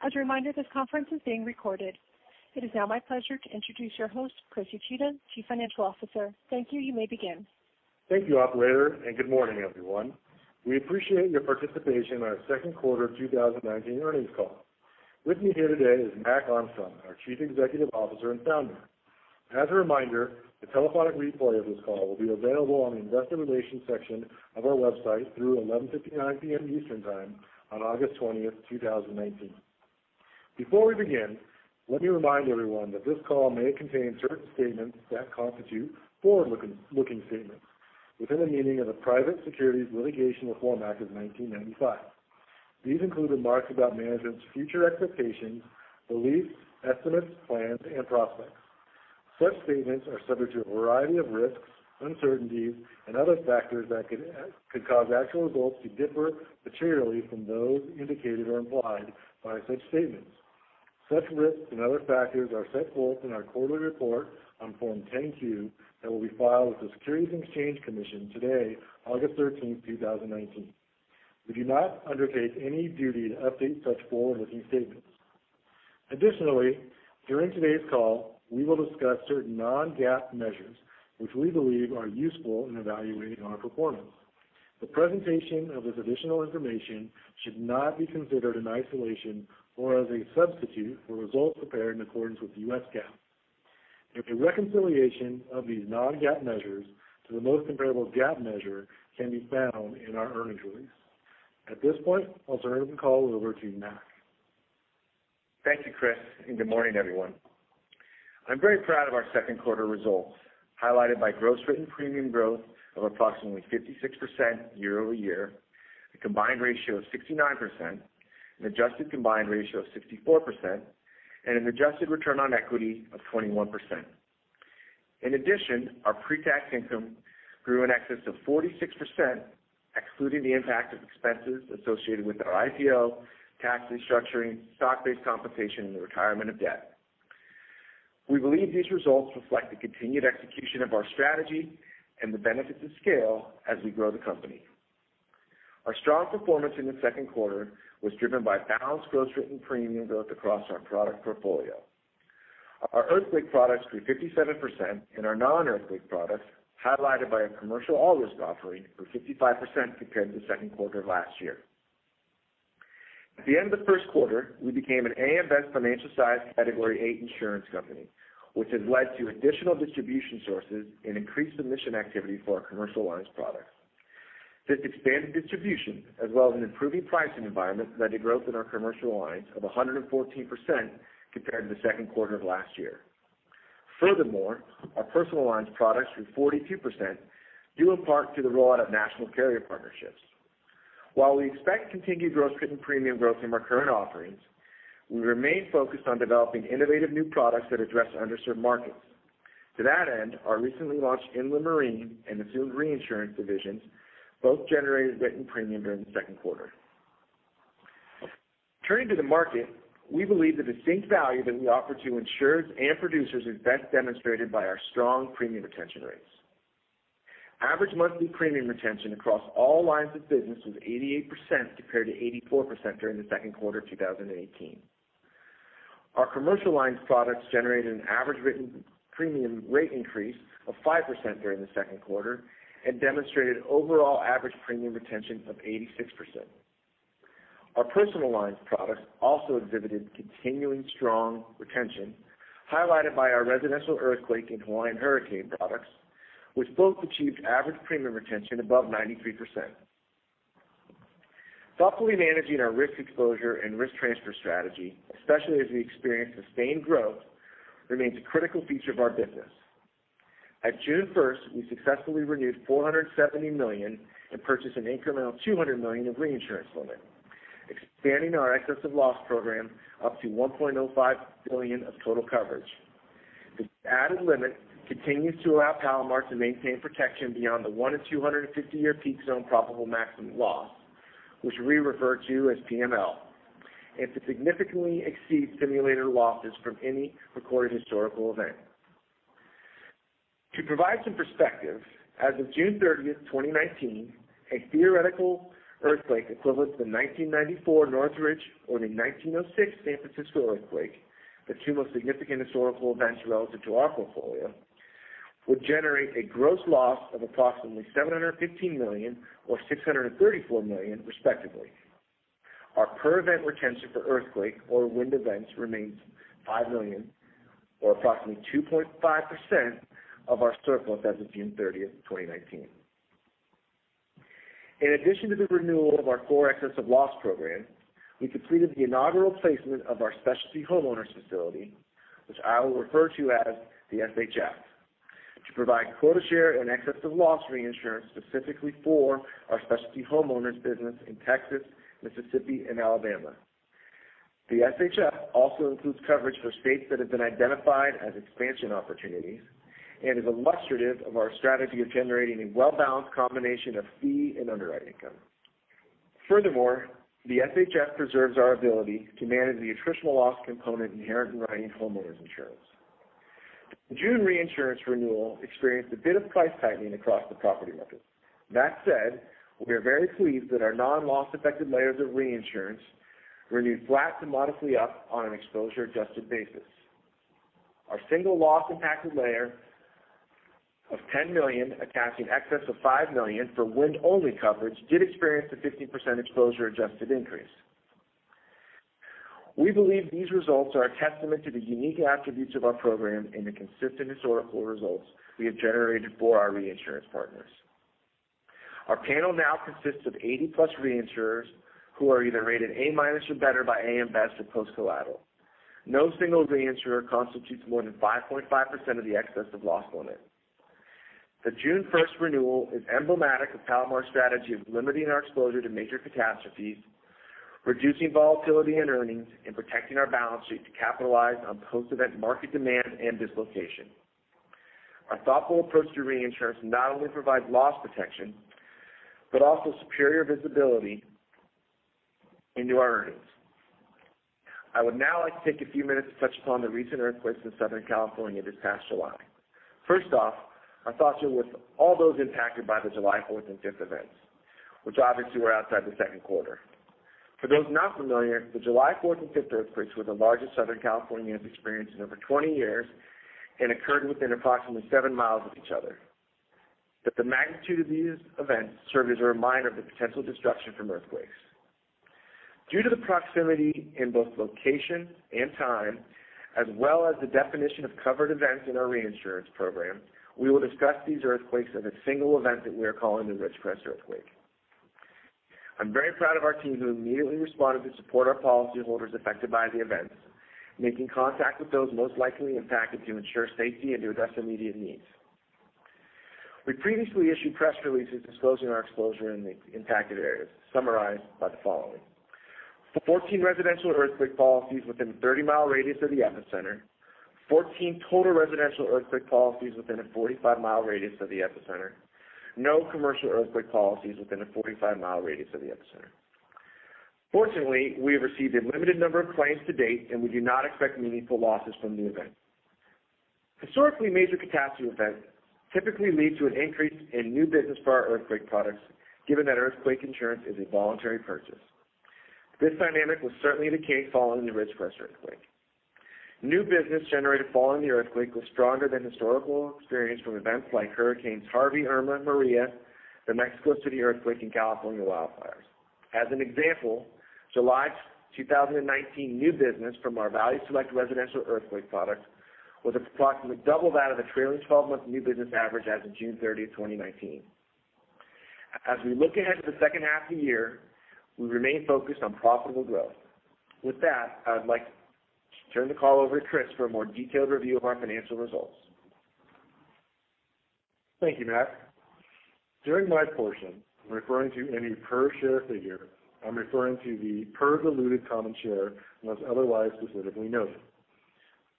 As a reminder, this conference is being recorded. It is now my pleasure to introduce your host, Chris Uchida, Chief Financial Officer. Thank you. You may begin. Thank you, operator. Good morning, everyone. We appreciate your participation on our second quarter of 2019 earnings call. With me here today is Mac Armstrong, our Chief Executive Officer and founder. As a reminder, the telephonic replay of this call will be available on the investor relations section of our website through 11:59 P.M. Eastern Time on August 20th, 2019. Before we begin, let me remind everyone that this call may contain certain statements that constitute forward-looking statements within the meaning of the Private Securities Litigation Reform Act of 1995. These include remarks about management's future expectations, beliefs, estimates, plans, and prospects. Such statements are subject to a variety of risks, uncertainties, and other factors that could cause actual results to differ materially from those indicated or implied by such statements. Such risks and other factors are set forth in our quarterly report on Form 10-Q that will be filed with the Securities and Exchange Commission today, August 13th, 2019. We do not undertake any duty to update such forward-looking statements. Additionally, during today's call, we will discuss certain non-GAAP measures, which we believe are useful in evaluating our performance. The presentation of this additional information should not be considered in isolation or as a substitute for results prepared in accordance with the U.S. GAAP. A reconciliation of these non-GAAP measures to the most comparable GAAP measure can be found in our earnings release. At this point, I'll turn the call over to Mac. Thank you, Chris. Good morning, everyone. I'm very proud of our second quarter results, highlighted by gross written premium growth of approximately 56% year-over-year, a combined ratio of 69%, an adjusted combined ratio of 64%, and an adjusted return on equity of 21%. In addition, our pre-tax income grew in excess of 46%, excluding the impact of expenses associated with our IPO, tax restructuring, stock-based compensation, and the retirement of debt. We believe these results reflect the continued execution of our strategy and the benefits of scale as we grow the company. Our strong performance in the second quarter was driven by balanced gross written premium growth across our product portfolio. Our earthquake products grew 57%, and our non-earthquake products, highlighted by a Commercial All Risk offering, grew 55% compared to the second quarter of last year. At the end of the first quarter, we became an AM Best Financial Size Category VIII insurance company, which has led to additional distribution sources and increased submission activity for our commercial lines products. This expanded distribution as well as an improving pricing environment led to growth in our commercial lines of 114% compared to the second quarter of last year. Furthermore, our personal lines products grew 42%, due in part to the rollout of national carrier partnerships. While we expect continued gross written premium growth from our current offerings, we remain focused on developing innovative new products that address underserved markets. To that end, our recently launched Inland Marine and assumed reinsurance divisions both generated written premium during the second quarter. Turning to the market, we believe the distinct value that we offer to insurers and producers is best demonstrated by our strong premium retention rates. Average monthly premium retention across all lines of business was 88% compared to 84% during the second quarter of 2018. Our commercial lines products generated an average written premium rate increase of 5% during the second quarter and demonstrated overall average premium retention of 86%. Our personal lines products also exhibited continuing strong retention, highlighted by our residential earthquake and Hawaiian hurricane products, which both achieved average premium retention above 93%. Thoughtfully managing our risk exposure and risk transfer strategy, especially as we experience sustained growth, remains a critical feature of our business. At June 1st, we successfully renewed $470 million and purchased an incremental $200 million of reinsurance limit, expanding our excess of loss program up to $1.05 billion of total coverage. This added limit continues to allow Palomar to maintain protection beyond the one in 250-year peak zone probable maximum loss, which we refer to as PML, and to significantly exceed simulated losses from any recorded historical event. To provide some perspective, as of June 30th, 2019, a theoretical earthquake equivalent to the 1994 Northridge or the 1906 San Francisco earthquake, the two most significant historical events relative to our portfolio, would generate a gross loss of approximately $715 million or $634 million respectively. Our per event retention for earthquake or wind events remains $5 million, or approximately 2.5% of our surplus as of June 30th, 2019. In addition to the renewal of our core excess of loss program, we completed the inaugural placement of our specialty homeowners facility, which I will refer to as the SHF, to provide quota share and excess of loss reinsurance specifically for our specialty homeowners business in Texas, Mississippi, and Alabama. The SHF also includes coverage for states that have been identified as expansion opportunities and is illustrative of our strategy of generating a well-balanced combination of fee and underwriting income. The SHF preserves our ability to manage the attritional loss component inherent in writing homeowners insurance. The June reinsurance renewal experienced a bit of price tightening across the property market. That said, we are very pleased that our non-loss-affected layers of reinsurance renewed flat to modestly up on an exposure-adjusted basis. Our single loss-impacted layer of $10 million, attaching excess of $5 million for wind-only coverage, did experience a 15% exposure-adjusted increase. We believe these results are a testament to the unique attributes of our program and the consistent historical results we have generated for our reinsurance partners. Our panel now consists of 80-plus reinsurers who are either rated A- or better by AM Best or fully collateralized. No single reinsurer constitutes more than 5.5% of the excess of loss limit. The June 1st renewal is emblematic of Palomar's strategy of limiting our exposure to major catastrophes, reducing volatility in earnings, and protecting our balance sheet to capitalize on post-event market demand and dislocation. Our thoughtful approach to reinsurance not only provides loss protection but also superior visibility into our earnings. I would now like to take a few minutes to touch upon the recent earthquakes in Southern California this past July. First off, our thoughts are with all those impacted by the July 4th and 5th events, which obviously were outside the second quarter. For those not familiar, the July 4th and 5th earthquakes were the largest Southern California has experienced in over 20 years and occurred within approximately seven miles of each other, but the magnitude of these events served as a reminder of the potential destruction from earthquakes. Due to the proximity in both location and time, as well as the definition of covered events in our reinsurance program, we will discuss these earthquakes as a single event that we are calling the Ridgecrest earthquake. I'm very proud of our team, who immediately responded to support our policyholders affected by the events, making contact with those most likely impacted to ensure safety and to address immediate needs. We previously issued press releases disclosing our exposure in the impacted areas, summarized by the following. 14 residential earthquake policies within a 30-mile radius of the epicenter, 14 total residential earthquake policies within a 45-mile radius of the epicenter, no commercial earthquake policies within a 45-mile radius of the epicenter. Fortunately, we have received a limited number of claims to date, and we do not expect meaningful losses from the event. Historically, major catastrophe events typically lead to an increase in new business for our earthquake products, given that earthquake insurance is a voluntary purchase. This dynamic was certainly the case following the Ridgecrest earthquake. New business generated following the earthquake was stronger than historical experience from events like Hurricane Harvey, Hurricane Irma, and Hurricane Maria, the Mexico City earthquake, and California wildfires. As an example, July 2019 new business from our Value Select residential earthquake product was approximately double that of the trailing 12-month new business average as of June 30th, 2019. As we look ahead to the second half of the year, we remain focused on profitable growth. With that, I would like to turn the call over to Chris for a more detailed review of our financial results. Thank you, Mac. During my portion, when referring to any per-share figure, I'm referring to the per diluted common share, unless otherwise specifically noted.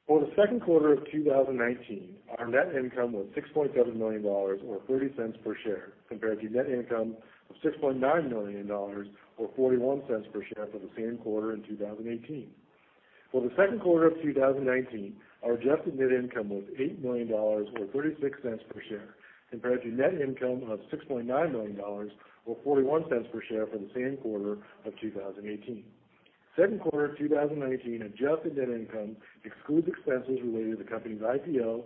For the second quarter of 2019, our net income was $6.7 million, or $0.30 per share, compared to net income of $6.9 million, or $0.41 per share for the same quarter in 2018. For the second quarter of 2019, our adjusted net income was $8 million, or $0.36 per share, compared to net income of $6.9 million or $0.41 per share for the same quarter of 2018. Second quarter 2019 adjusted net income excludes expenses related to the company's IPO,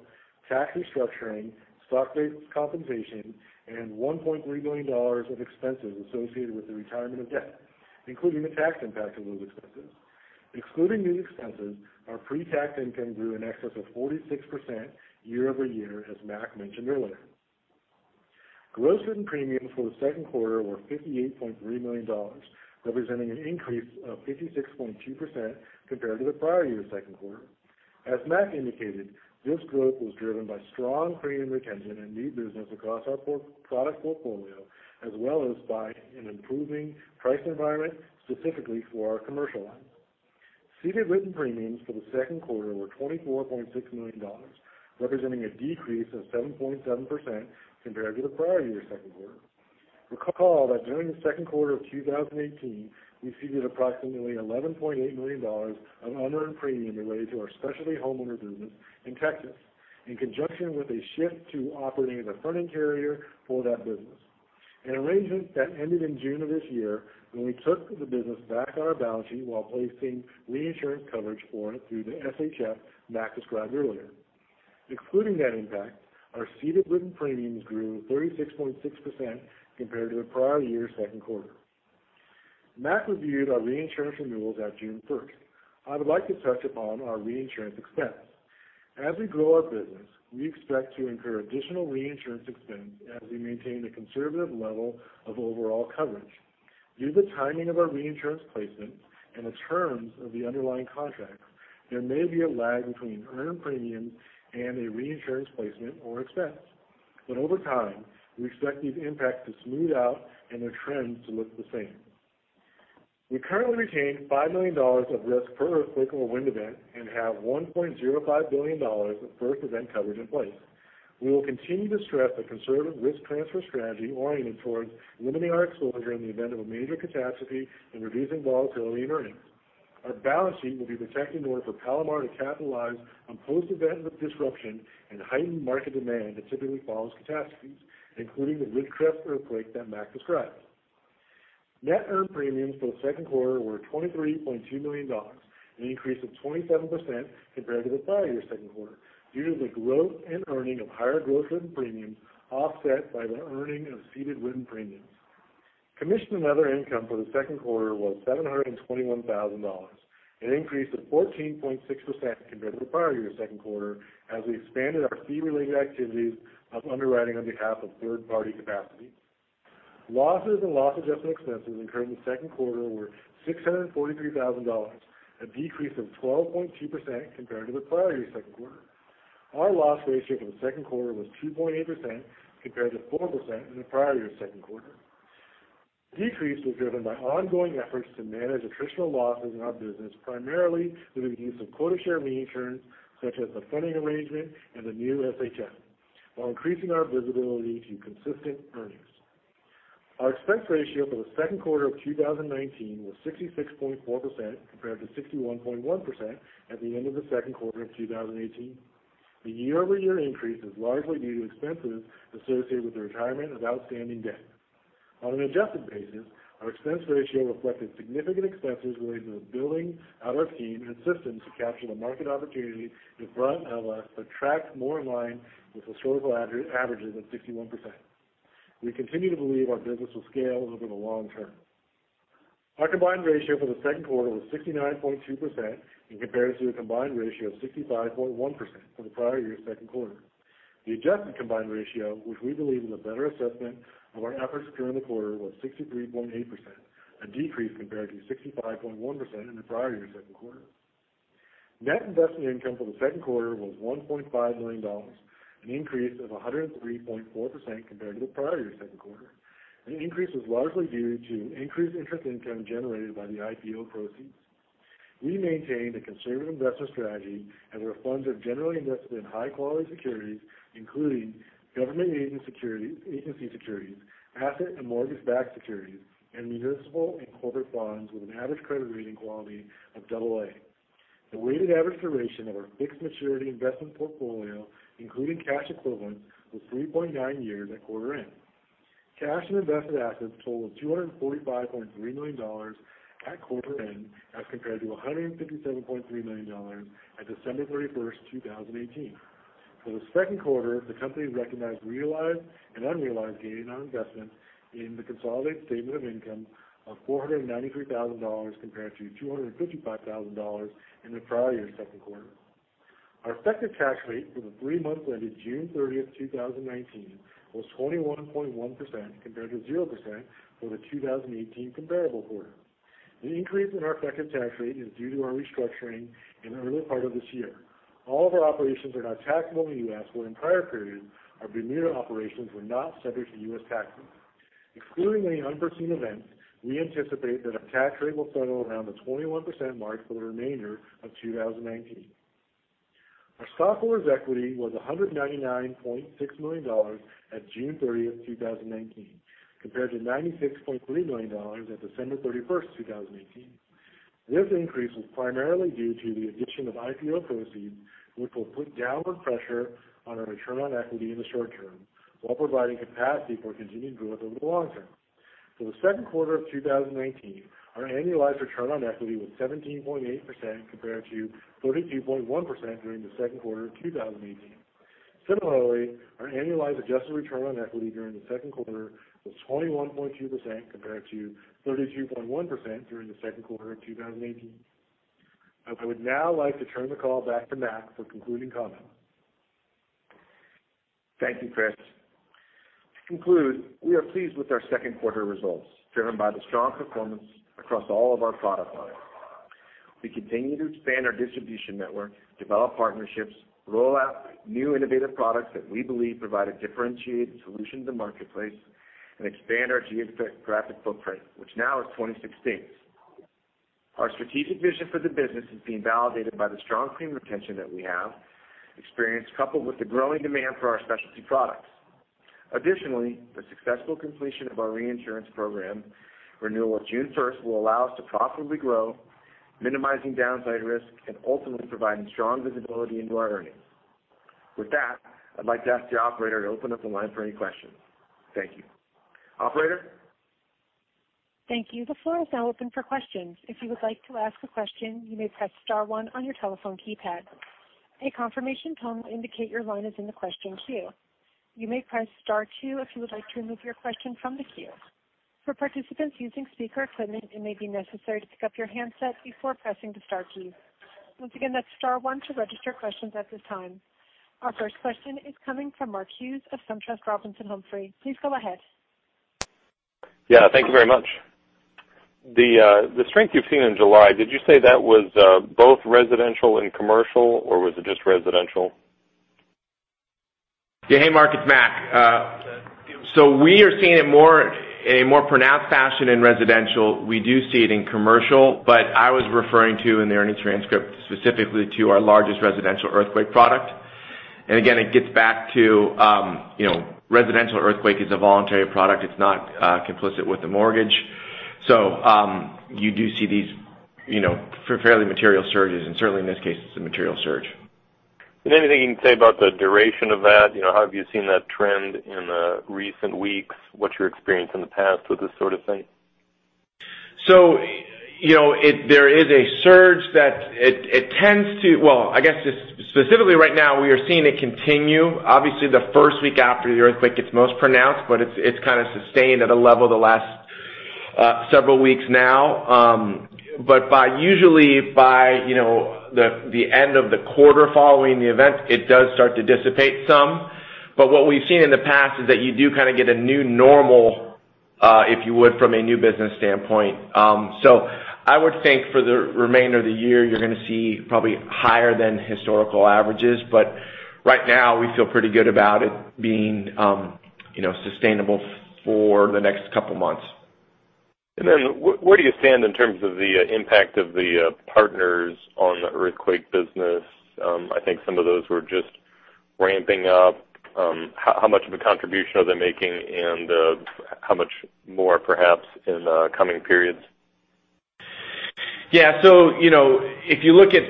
tax restructuring, stock-based compensation, and $1.3 million of expenses associated with the retirement of debt, including the tax impact of those expenses. Excluding these expenses, our pre-tax income grew in excess of 46% year-over-year, as Mac mentioned earlier. Gross written premiums for the second quarter were $58.3 million, representing an increase of 56.2% compared to the prior year second quarter. As Mac indicated, this growth was driven by strong premium retention and new business across our product portfolio as well as by an improving price environment, specifically for our commercial line. Ceded written premiums for the second quarter were $24.6 million, representing a decrease of 7.7% compared to the prior year second quarter. Recall that during the second quarter of 2018, we ceded approximately $11.8 million of unearned premium related to our specialty homeowner business in Texas in conjunction with a shift to operating as a fronting carrier for that business, an arrangement that ended in June of this year when we took the business back on our balance sheet while placing reinsurance coverage for it through the SHF Mac described earlier. Excluding that impact, our ceded written premiums grew 36.6% compared to the prior year second quarter. Mac reviewed our reinsurance renewals at June 1st. I would like to touch upon our reinsurance expense. As we grow our business, we expect to incur additional reinsurance expense as we maintain a conservative level of overall coverage. Due to the timing of our reinsurance placement and the terms of the underlying contracts, there may be a lag between earned premium and a reinsurance placement or expense. Over time, we expect these impacts to smooth out and their trends to look the same. We currently retain $5 million of risk per earthquake or wind event and have $1.05 billion of first event coverage in place. We will continue to stress a conservative risk transfer strategy oriented towards limiting our exposure in the event of a major catastrophe and reducing volatility in earnings. Our balance sheet will be protected in order for Palomar to capitalize on post-event disruption and heightened market demand that typically follows catastrophes, including the Ridgecrest earthquake that Mac described. Net earned premiums for the second quarter were $23.2 million, an increase of 27% compared to the prior year second quarter, due to the growth and earning of higher gross written premiums offset by the earning of ceded written premiums. Commission and other income for the second quarter was $721,000, an increase of 14.6% compared to the prior year second quarter, as we expanded our fee-related activities of underwriting on behalf of third-party capacity. Losses and loss adjustment expenses incurred in the second quarter were $643,000, a decrease of 12.2% compared to the prior year second quarter. Our loss ratio for the second quarter was 2.8% compared to 4% in the prior year second quarter. The decrease was driven by ongoing efforts to manage attritional losses in our business, primarily through the use of quota share reinsurance, such as the fronting arrangement and the new SHF, while increasing our visibility to consistent earnings. Our expense ratio for the second quarter of 2019 was 66.4% compared to 61.1% at the end of the second quarter of 2018. The year-over-year increase is largely due to expenses associated with the retirement of outstanding debt. On an adjusted basis, our expense ratio reflected significant expenses related to building out our team and systems to capture the market opportunity in front of us, but tracks more in line with historical averages of 61%. We continue to believe our business will scale over the long term. Our combined ratio for the second quarter was 69.2% in comparison to a combined ratio of 65.1% for the prior year second quarter. The adjusted combined ratio, which we believe is a better assessment of our efforts during the quarter, was 63.8%, a decrease compared to 65.1% in the prior year second quarter. Net investment income for the second quarter was $1.5 million, an increase of 103.4% compared to the prior year second quarter. The increase was largely due to increased interest income generated by the IPO proceeds. We maintained a conservative investment strategy, and our funds are generally invested in high-quality securities, including government agency securities, asset and mortgage-backed securities, and municipal and corporate bonds with an average credit rating quality of AA. The weighted average duration of our fixed maturity investment portfolio, including cash equivalents, was 3.9 years at quarter end. Cash and invested assets totaled $245.3 million at quarter end as compared to $157.3 million at December 31st, 2018. For the second quarter, the company recognized realized and unrealized gain on investment in the consolidated statement of income of $493,000 compared to $255,000 in the prior year second quarter. Our effective tax rate for the three months ended June 30th, 2019, was 21.1% compared to 0% for the 2018 comparable quarter. The increase in our effective tax rate is due to our restructuring in the early part of this year. All of our operations are now taxable in the U.S. where, in prior periods, our Bermuda operations were not subject to U.S. taxes. Excluding any unforeseen events, we anticipate that our tax rate will settle around the 21% mark for the remainder of 2019. Our stockholders' equity was $199.6 million at June 30th, 2019, compared to $96.3 million at December 31st, 2018. This increase was primarily due to the addition of IPO proceeds, which will put downward pressure on our return on equity in the short term while providing capacity for continued growth over the long term. For the second quarter of 2019, our annualized return on equity was 17.8% compared to 32.1% during the second quarter of 2018. Similarly, our annualized adjusted return on equity during the second quarter was 21.2% compared to 32.1% during the second quarter of 2018. I would now like to turn the call back to Mac for concluding comments. Thank you, Chris. To conclude, we are pleased with our second quarter results driven by the strong performance across all of our product lines. We continue to expand our distribution network, develop partnerships, roll out new innovative products that we believe provide a differentiated solution to the marketplace, and expand our geographic footprint, which now is 26 states. Our strategic vision for the business is being validated by the strong premium retention that we have experienced, coupled with the growing demand for our specialty products. Additionally, the successful completion of our reinsurance program renewal on June 1st will allow us to profitably grow, minimizing downside risk, and ultimately providing strong visibility into our earnings. With that, I'd like to ask the operator to open up the line for any questions. Thank you. Operator? Thank you. The floor is now open for questions. If you would like to ask a question, you may press star one on your telephone keypad. A confirmation tone will indicate your line is in the question queue. You may press star two if you would like to remove your question from the queue. For participants using speaker equipment, it may be necessary to pick up your handset before pressing the star key. Once again, that's star one to register questions at this time. Our first question is coming from Mark Hughes of SunTrust Robinson Humphrey. Please go ahead. Yeah. Thank you very much. The strength you've seen in July, did you say that was both residential and commercial, or was it just residential? Yeah. Hey, Mark, it's Mac. We are seeing it in a more pronounced fashion in residential. We do see it in commercial, but I was referring to, in the earnings transcript, specifically to our largest residential earthquake product. Again, it gets back to residential earthquake is a voluntary product. It's not complicit with the mortgage. You do see these fairly material surges, and certainly in this case, it's a material surge. Is there anything you can say about the duration of that? How have you seen that trend in the recent weeks? What's your experience in the past with this sort of thing? There is a surge that we are seeing it continue. Obviously, the first week after the earthquake, it's most pronounced, but it's kind of sustained at a level the last several weeks now. Usually by the end of the quarter following the event, it does start to dissipate some. What we've seen in the past is that you do kind of get a new normal, if you would, from a new business standpoint. I would think for the remainder of the year, you're going to see probably higher than historical averages. Right now, we feel pretty good about it being sustainable for the next couple of months. Where do you stand in terms of the impact of the partners on the earthquake business? I think some of those were just ramping up. How much of a contribution are they making and how much more, perhaps, in the coming periods? Yeah. If you look at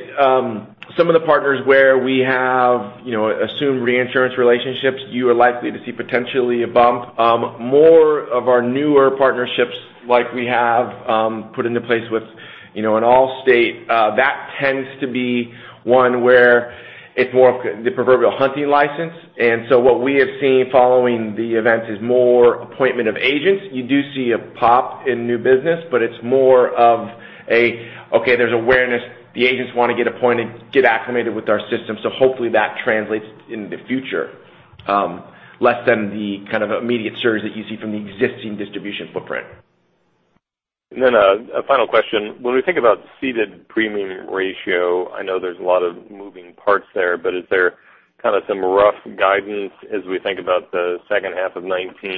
some of the partners where we have assumed reinsurance relationships, you are likely to see potentially a bump. More of our newer partnerships, like we have put into place with an Allstate, that tends to be one where it's more of the proverbial hunting license. What we have seen following the event is more appointment of agents. You do see a pop in new business, but it's more of a, okay, there's awareness. The agents want to get appointed, get acclimated with our system. Hopefully, that translates in the future less than the kind of immediate surge that you see from the existing distribution footprint. Then a final question. When we think about ceded premium ratio, I know there's a lot of moving parts there, but is there kind of some rough guidance as we think about the second half of 2019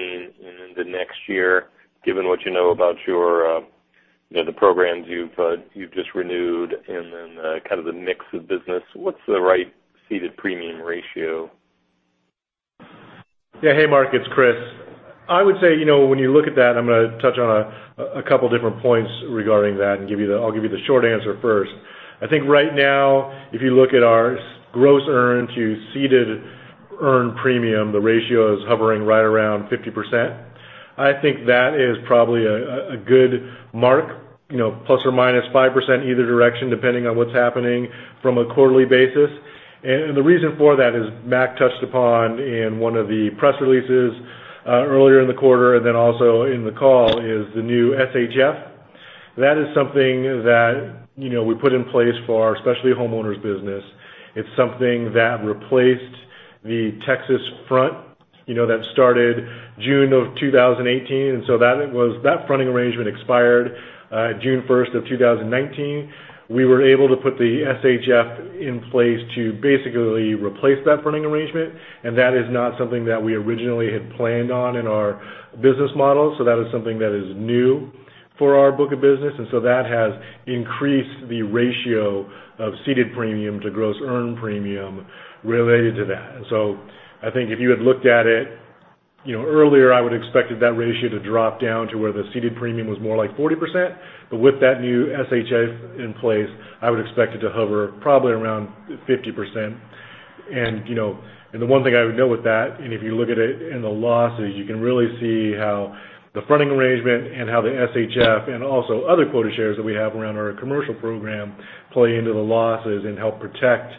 and into next year, given what you know about the programs you've just renewed and then kind of the mix of business, what's the right ceded premium ratio? Yeah. Hey, Mark, it's Chris. I would say, when you look at that, I'm going to touch on a couple of different points regarding that, and I'll give you the short answer first. I think right now, if you look at our gross earned to ceded earned premium, the ratio is hovering right around 50%. I think that is probably a good mark, plus or minus 5% either direction, depending on what's happening from a quarterly basis. The reason for that is Mac touched upon in one of the press releases earlier in the quarter, and then also in the call, is the new SHF. That is something that we put in place for our specialty homeowners business. It's something that replaced the Texas front that started June of 2018. That fronting arrangement expired June 1, 2019. We were able to put the SHF in place to basically replace that fronting arrangement, that is not something that we originally had planned on in our business model. That is something that is new for our book of business. That has increased the ratio of ceded premium to gross earn premium related to that. I think if you had looked at it earlier, I would've expected that ratio to drop down to where the ceded premium was more like 40%. With that new SHF in place, I would expect it to hover probably around 50%. The one thing I would note with that, and if you look at it in the losses, you can really see how the fronting arrangement and how the SHF and also other quota shares that we have around our commercial program play into the losses and help protect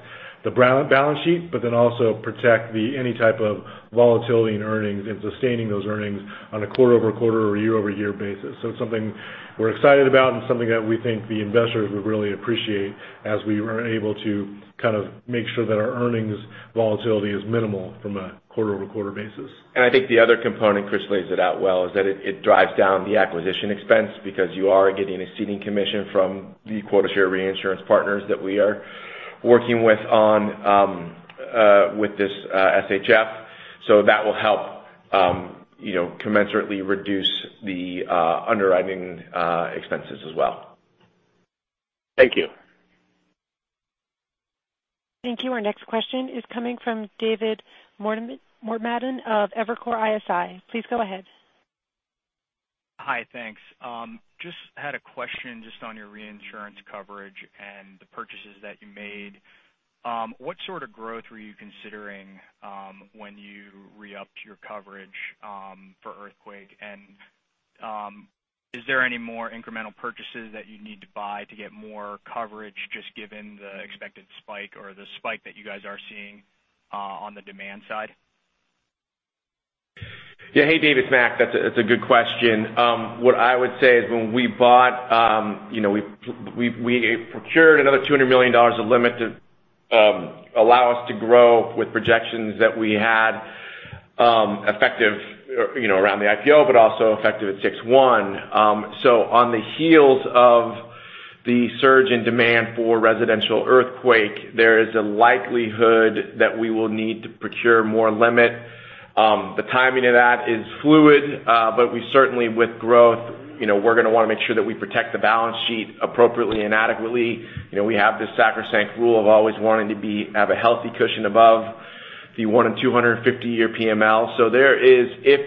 the balance sheet, also protect any type of volatility in earnings and sustaining those earnings on a quarter-over-quarter or year-over-year basis. It's something we're excited about and something that we think the investors would really appreciate as we are able to kind of make sure that our earnings volatility is minimal from a quarter-over-quarter basis. I think the other component, Chris lays it out well, is that it drives down the acquisition expense because you are getting a ceding commission from the quota share reinsurance partners that we are working on with this SHF. That will help commensurately reduce the underwriting expenses as well. Thank you. Thank you. Our next question is coming from David Motemaden of Evercore ISI. Please go ahead. Hi, thanks. Just had a question just on your reinsurance coverage and the purchases that you made. What sort of growth were you considering when you re-upped your coverage for earthquake? Is there any more incremental purchases that you need to buy to get more coverage just given the expected spike or the spike that you guys are seeing on the demand side? Yeah. Hey, David. It's Mac. That's a good question. What I would say is when we bought, we procured another $200 million of limit to allow us to grow with projections that we had effective around the IPO, but also effective at 6/1. On the heels of the surge in demand for residential earthquake, there is a likelihood that we will need to procure more limit. The timing of that is fluid, we certainly, with growth, we're going to want to make sure that we protect the balance sheet appropriately and adequately. We have this sacrosanct rule of always wanting to have a healthy cushion above the one in 250-year PML. There is, if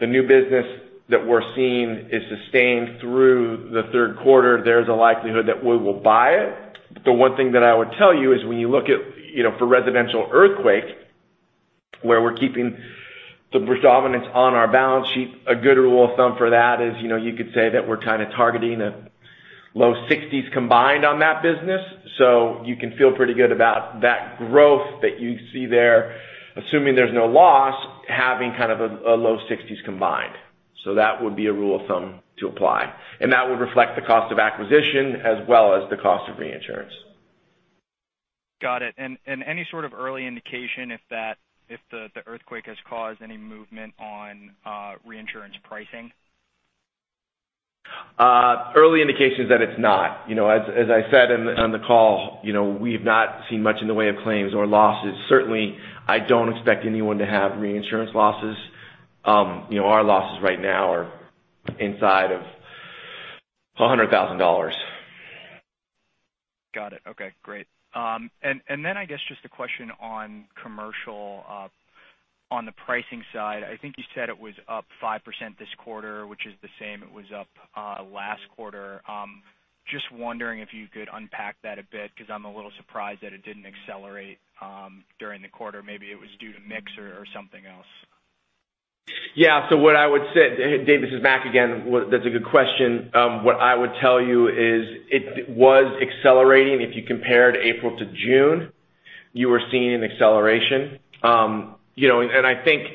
the new business that we're seeing is sustained through the third quarter, there's a likelihood that we will buy it. The one thing that I would tell you is when you look at for residential earthquake, where we're keeping the predominance on our balance sheet, a good rule of thumb for that is you could say that we're kind of targeting a low 60s combined on that business. You can feel pretty good about that growth that you see there, assuming there's no loss, having kind of a low 60s combined. That would be a rule of thumb to apply, and that would reflect the cost of acquisition as well as the cost of reinsurance. Got it. Any sort of early indication if the earthquake has caused any movement on reinsurance pricing? Early indications that it's not. As I said on the call, we've not seen much in the way of claims or losses. Certainly, I don't expect anyone to have reinsurance losses. Our losses right now are inside of $100,000. Got it. Okay, great. Then, I guess, just a question on commercial, on the pricing side. I think you said it was up 5% this quarter, which is the same it was up last quarter. Just wondering if you could unpack that a bit because I'm a little surprised that it didn't accelerate during the quarter. Maybe it was due to mix or something else. Yeah. What I would say, Dave, this is Mac again. That's a good question. What I would tell you is it was accelerating. If you compared April to June, you were seeing an acceleration. I think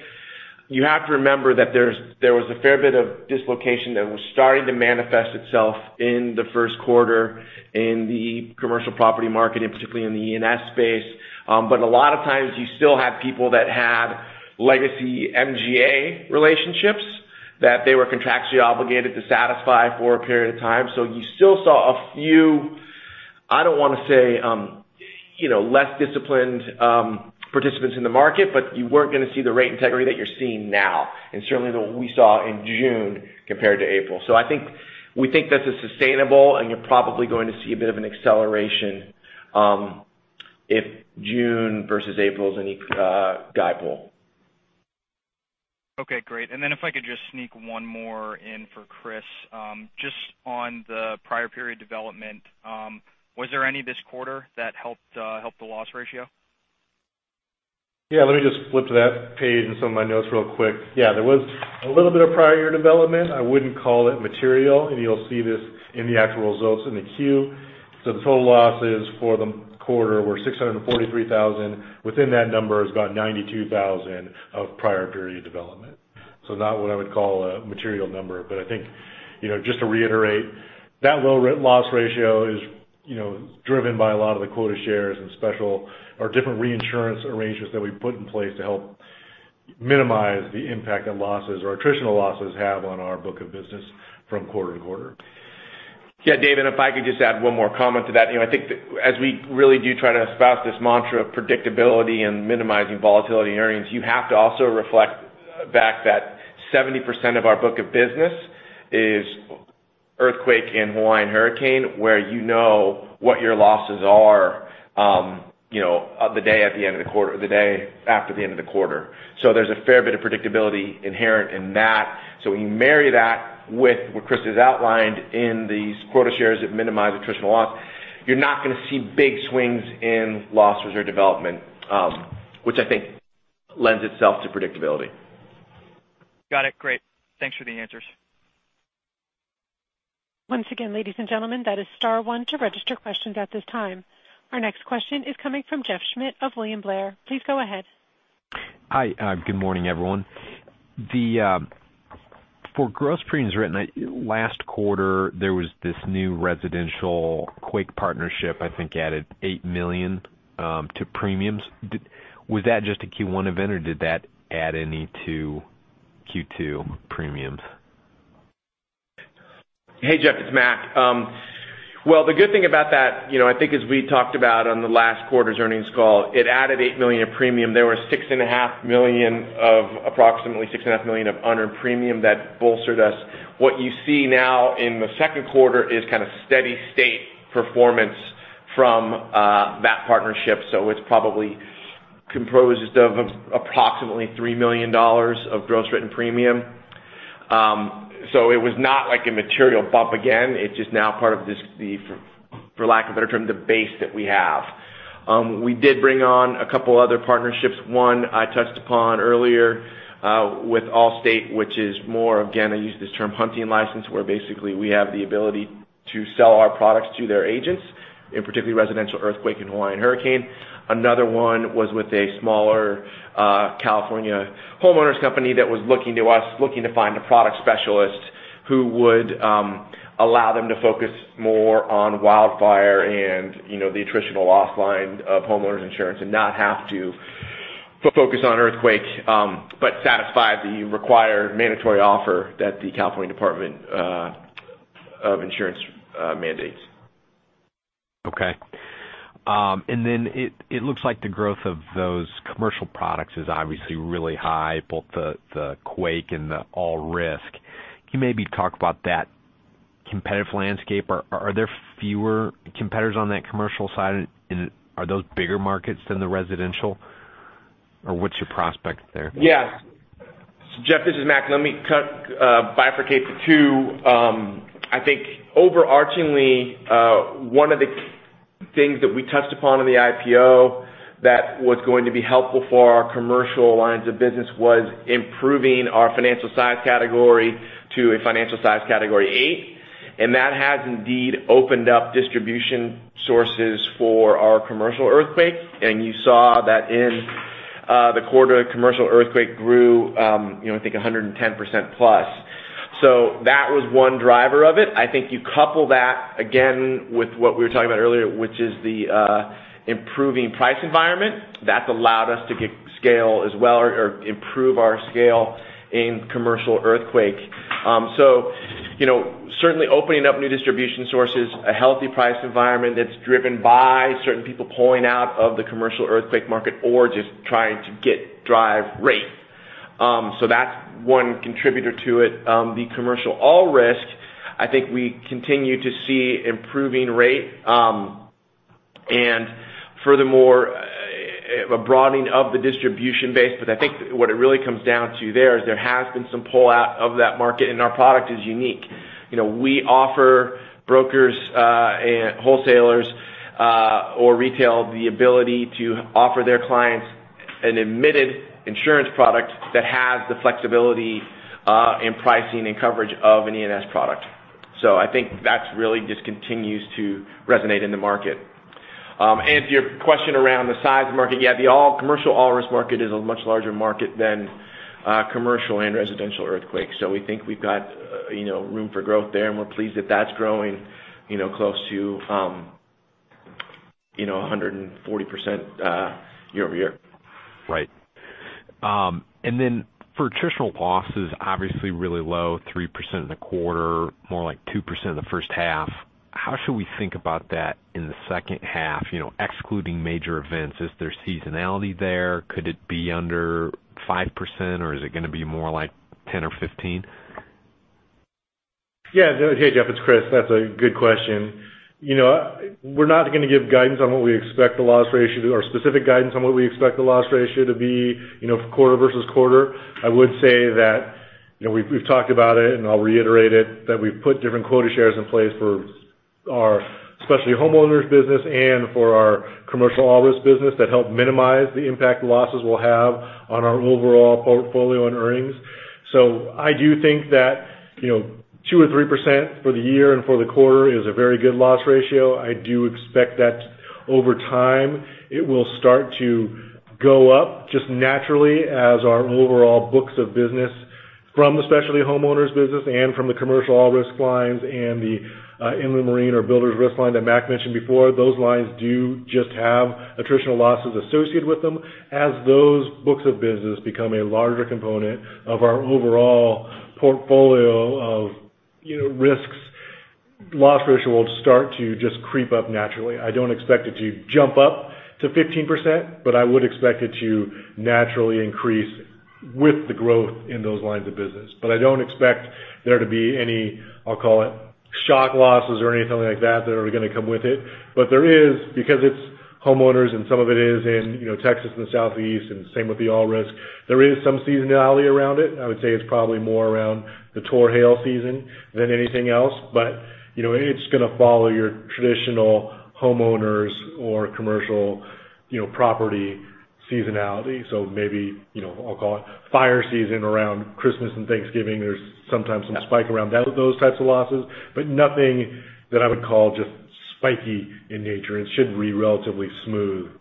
you have to remember that there was a fair bit of dislocation that was starting to manifest itself in the first quarter in the commercial property market, and particularly in the E&S space. A lot of times, you still have people that had legacy MGA relationships that they were contractually obligated to satisfy for a period of time. You still saw a few, I don't want to say, less disciplined participants in the market, you weren't going to see the rate integrity that you're seeing now and certainly that what we saw in June compared to April. I think we think this is sustainable, and you're probably going to see a bit of an acceleration if June versus April is any guide pole. Okay, great. If I could just sneak one more in for Chris, just on the prior period development. Was there any this quarter that helped the loss ratio? Let me just flip to that page in some of my notes real quick. There was a little bit of prior year development. I wouldn't call it material, and you'll see this in the actual results in the Q. The total losses for the quarter were $643,000. Within that number is about $92,000 of prior period development. Not what I would call a material number, but I think just to reiterate, that low loss ratio is driven by a lot of the quota shares and special or different reinsurance arrangements that we've put in place to help minimize the impact that losses or attritional losses have on our book of business from quarter-to-quarter. David, if I could just add one more comment to that. I think as we really do try to espouse this mantra of predictability and minimizing volatility in earnings, you have to also reflect back that 70% of our book of business is earthquake and Hawaiian hurricane, where you know what your losses are the day after the end of the quarter. There's a fair bit of predictability inherent in that. When you marry that with what Chris has outlined in these quota shares that minimize attritional loss, you're not going to see big swings in loss reserve development, which I think lends itself to predictability. Got it. Great. Thanks for the answers. Once again, ladies and gentlemen, that is star one to register questions at this time. Our next question is coming from Jeff Schmitt of William Blair. Please go ahead. Hi. Good morning, everyone. For gross premiums written, last quarter, there was this new residential quake partnership, I think added $8 million to premiums. Was that just a Q1 event, or did that add any to Q2 premiums? Hey, Jeff, it's Mac. Well, the good thing about that, I think as we talked about on the last quarter's earnings call, it added $8 million in premium. There were approximately $6.5 million of unearned premium that bolstered us. What you see now in the second quarter is kind of steady state performance from that partnership. It's probably composed of approximately $3 million of gross written premium. It was not like a material bump again. It's just now part of this, for lack of a better term, the base that we have. We did bring on a couple other partnerships. One I touched upon earlier, with Allstate, which is more, again, I use this term, hunting license, where basically we have the ability to sell our products to their agents, in particular residential earthquake and Hawaiian hurricane. Another one was with a smaller California homeowners' company that was looking to us, looking to find a product specialist who would allow them to focus more on wildfire and the attritional loss line of homeowners insurance and not have to focus on earthquake, but satisfy the required mandatory offer that the California Department of Insurance mandates. Okay. It looks like the growth of those commercial products is obviously really high, both the quake and the all-risk. Can you maybe talk about that competitive landscape? Are there fewer competitors on that commercial side, and are those bigger markets than the residential, or what's your prospect there? Yeah. Jeff, this is Mac. Let me bifurcate the two. I think overarchingly, one of the things that we touched upon in the IPO that was going to be helpful for our commercial lines of business was improving our financial size category to a Financial Size Category VIII. That has indeed opened up distribution sources for our commercial earthquake. You saw that in the quarter, commercial earthquake grew, I think, 110%+. I think you couple that again with what we were talking about earlier, which is the improving price environment, that's allowed us to get scale as well or improve our scale in commercial earthquake. Certainly opening up new distribution sources, a healthy price environment that's driven by certain people pulling out of the commercial earthquake market or just trying to drive rate. That's one contributor to it. The Commercial All Risk, I think we continue to see improving rate, furthermore, a broadening of the distribution base. I think what it really comes down to there is there has been some pull out of that market, and our product is unique. We offer brokers, wholesalers, or retail the ability to offer their clients an admitted insurance product that has the flexibility in pricing and coverage of an E&S product. I think that's really just continues to resonate in the market. To your question around the size of the market, yeah, the Commercial All Risk market is a much larger market than commercial and residential earthquakes. We think we've got room for growth there, and we're pleased that that's growing close to 140% year-over-year. Right. For attritional losses, obviously really low, 3% in the quarter, more like 2% in the first half. How should we think about that in the second half, excluding major events? Is there seasonality there? Could it be under 5%, or is it going to be more like 10% or 15%? Yeah. Hey, Jeff, it's Chris. That's a good question. We're not going to give specific guidance on what we expect the loss ratio to be quarter versus quarter. I would say that, we've talked about it, and I'll reiterate it, that we've put different quota shares in place for our specialty homeowners business and for our Commercial All Risk business that help minimize the impact losses will have on our overall portfolio and earnings. I do think that 2% or 3% for the year and for the quarter is a very good loss ratio. I do expect that over time, it will start to go up just naturally as our overall books of business from the specialty homeowners business and from the Commercial All Risk lines and the Inland Marine or Builders Risk line that Mac mentioned before. Those lines do just have attritional losses associated with them. As those books of business become a larger component of our overall portfolio of risks, loss ratio will start to just creep up naturally. I don't expect it to jump up to 15%, but I would expect it to naturally increase with the growth in those lines of business. I don't expect there to be any, I'll call it, shock losses or anything like that are going to come with it. There is, because it's homeowners and some of it is in Texas and the Southeast, and same with the all risks, there is some seasonality around it. I would say it's probably more around the tor-hail season than anything else. It's going to follow your traditional homeowners or commercial property seasonality. Maybe, I'll call it, fire season around Christmas and Thanksgiving. There's sometimes some spike around those types of losses, but nothing that I would call just spiky in nature. It should be relatively smooth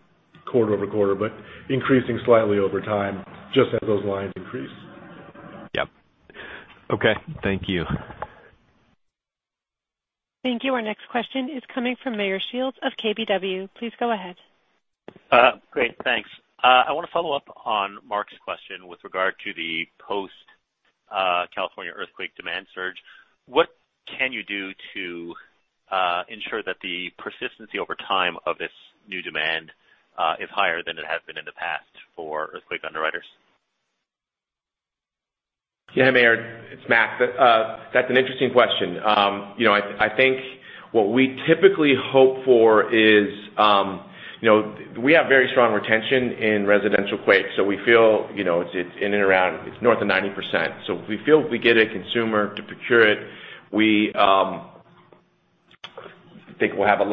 quarter-over-quarter, but increasing slightly over time, just as those lines increase. Yep. Okay. Thank you. Thank you. Our next question is coming from Meyer Shields of KBW. Please go ahead. Great. Thanks. I want to follow up on Mark's question with regard to the post California earthquake demand surge. What can you do to ensure that the persistency over time of this new demand is higher than it has been in the past for earthquake underwriters? Yeah, Meyer, it's Mac. That's an interesting question. I think what we typically hope for is, we have very strong retention in residential quakes. We feel it's in and around, it's north of 90%. If we feel if we get a consumer to procure it, we think we'll have a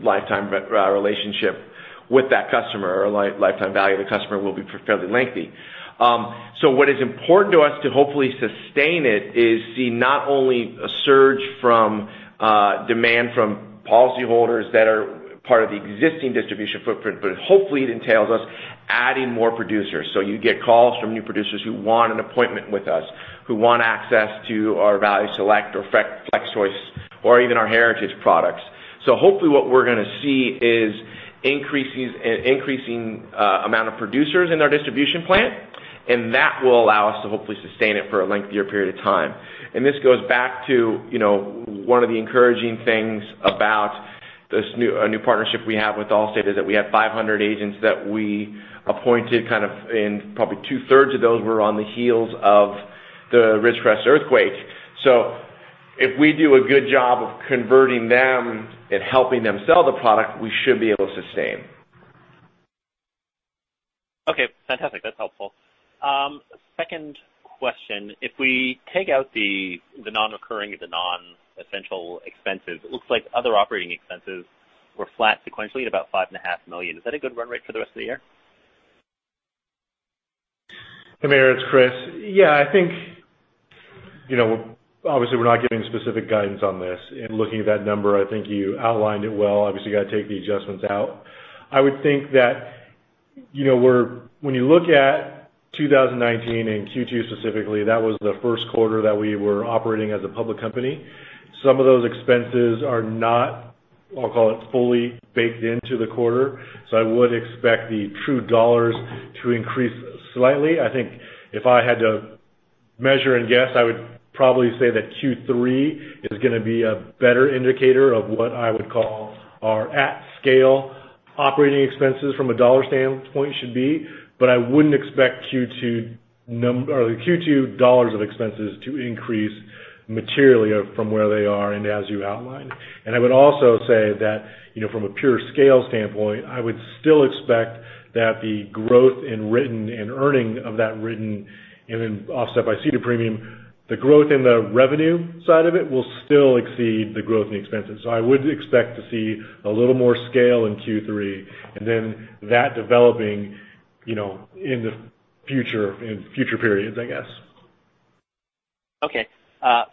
lifetime relationship with that customer, or lifetime value of the customer will be fairly lengthy. What is important to us to hopefully sustain it is see not only a surge from demand from policyholders that are part of the existing distribution footprint, but hopefully it entails us adding more producers. You get calls from new producers who want an appointment with us, who want access to our Value Select or Flex Choice or even our heritage products. Hopefully what we're going to see is increasing amount of producers in our distribution plan, and that will allow us to hopefully sustain it for a lengthier period of time. This goes back to one of the encouraging things about this new partnership we have with Allstate, is that we have 500 agents that we appointed, and probably two-thirds of those were on the heels of the Ridgecrest earthquake. If we do a good job of converting them and helping them sell the product, we should be able to sustain. Okay, fantastic. That is helpful. Second question, if we take out the non-recurring, the non-essential expenses, it looks like other operating expenses were flat sequentially at about $5.5 million. Is that a good run rate for the rest of the year? Meyer, it is Chris. I think, obviously, we are not giving specific guidance on this. In looking at that number, I think you outlined it well. Obviously, you have to take the adjustments out. I would think that when you look at 2019 and Q2 specifically, that was the first quarter that we were operating as a public company. Some of those expenses are not, I will call it, fully baked into the quarter, so I would expect the true dollars to increase slightly. I think if I had to measure and guess, I would probably say that Q3 is going to be a better indicator of what I would call our at-scale operating expenses from a dollar standpoint should be. I would not expect Q2 dollars of expenses to increase materially from where they are and as you outlined. I would also say that from a pure scale standpoint, I would still expect that the growth in written and earning of that written, and then offset by ceded premium, the growth in the revenue side of it will still exceed the growth in the expenses. I would expect to see a little more scale in Q3, and then that developing in future periods, I guess. Okay.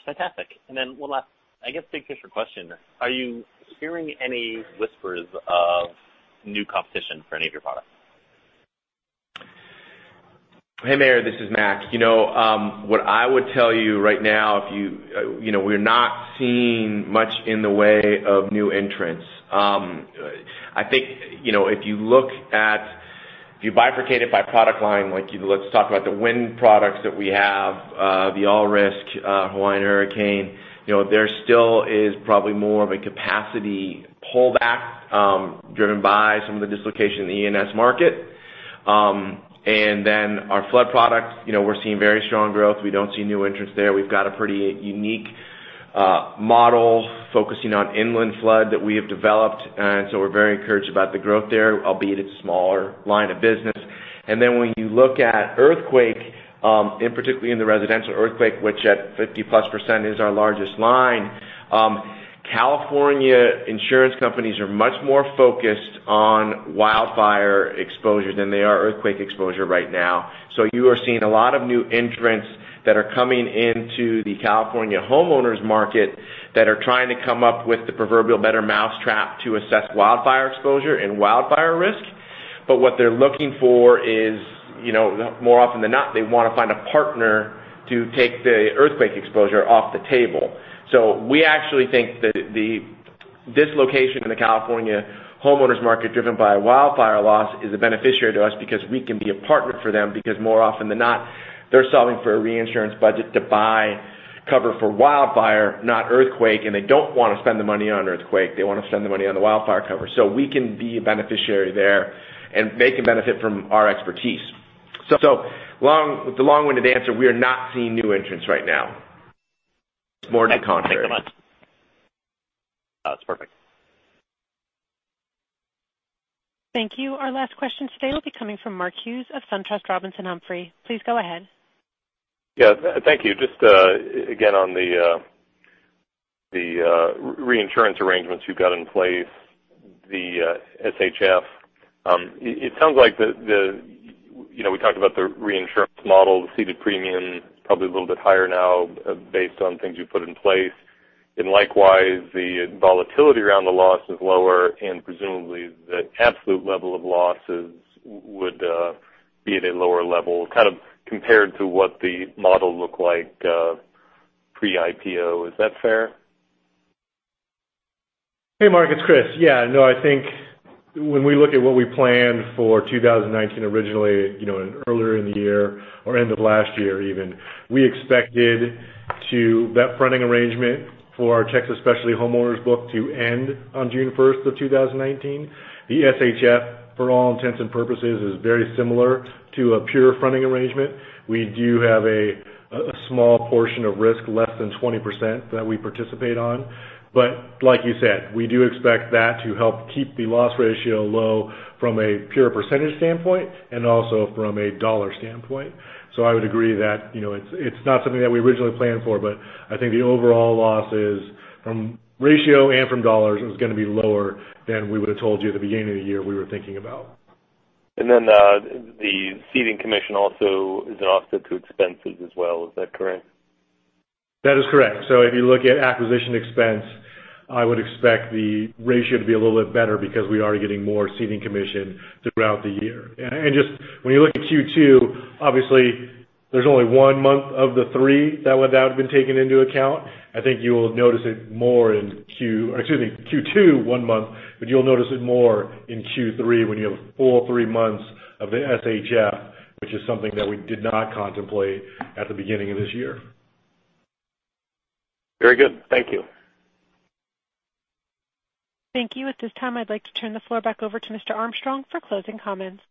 Fantastic. One last, I guess big picture question. Are you hearing any whispers of new competition for any of your products? Hey, Meyer, this is Mac. What I would tell you right now, we're not seeing much in the way of new entrants. I think if you bifurcate it by product line, like let's talk about the wind products that we have, the all-risk Hawaiian hurricane, there still is probably more of a capacity pullback driven by some of the dislocation in the E&S market. Our flood product, we're seeing very strong growth. We don't see new entrants there. We've got a pretty unique model focusing on inland flood that we have developed, we're very encouraged about the growth there, albeit it's smaller line of business. When you look at earthquake, and particularly in the residential earthquake, which at 50-plus% is our largest line, California insurance companies are much more focused on wildfire exposure than they are earthquake exposure right now. You are seeing a lot of new entrants that are coming into the California homeowners market that are trying to come up with the proverbial better mousetrap to assess wildfire exposure and wildfire risk. What they're looking for is, more often than not, they want to find a partner to take the earthquake exposure off the table. We actually think that the dislocation in the California homeowners market driven by wildfire loss is a beneficiary to us because we can be a partner for them, because more often than not, they're solving for a reinsurance budget to buy cover for wildfire, not earthquake, and they don't want to spend the money on earthquake. They want to spend the money on the wildfire cover. We can be a beneficiary there, and they can benefit from our expertise. The long-winded answer, we are not seeing new entrants right now. It's more the contrary. Thanks so much. That's perfect. Thank you. Our last question today will be coming from Mark Hughes of SunTrust Robinson Humphrey. Please go ahead. Yeah. Thank you. Just, again, on the reinsurance arrangements you've got in place, the SHF. It sounds like we talked about the reinsurance model, the ceded premium, probably a little bit higher now based on things you've put in place. Likewise, the volatility around the loss is lower. Presumably, the absolute level of losses would be at a lower level, kind of compared to what the model looked like pre-IPO. Is that fair? Hey, Mark, it's Chris. Yeah. No, I think when we look at what we planned for 2019 originally earlier in the year or end of last year even, we expected that fronting arrangement for our Texas specialty homeowners book to end on June 1st of 2019. The SHF, for all intents and purposes, is very similar to a pure fronting arrangement. We do have a small portion of risk, less than 20%, that we participate on. Like you said, we do expect that to help keep the loss ratio low from a pure percentage standpoint and also from a dollar standpoint. I would agree that it's not something that we originally planned for, but I think the overall losses from ratio and from dollars is going to be lower than we would've told you at the beginning of the year we were thinking about. Then the ceding commission also is an offset to expenses as well. Is that correct? That is correct. If you look at acquisition expense, I would expect the ratio to be a little bit better because we are getting more ceding commission throughout the year. Just when you look at Q2, obviously there's only one month of the three that would have been taken into account. I think you will notice it more in Q2, one month, but you'll notice it more in Q3 when you have a full three months of the SHF, which is something that we did not contemplate at the beginning of this year. Very good. Thank you. Thank you. At this time, I'd like to turn the floor back over to Mr. Armstrong for closing comments.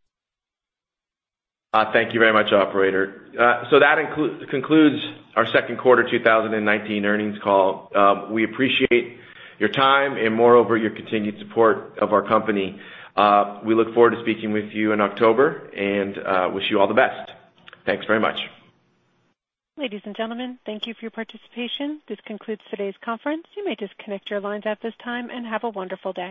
Thank you very much, operator. That concludes our second quarter 2019 earnings call. We appreciate your time and moreover, your continued support of our company. We look forward to speaking with you in October and wish you all the best. Thanks very much. Ladies and gentlemen, thank you for your participation. This concludes today's conference. You may disconnect your lines at this time. Have a wonderful day.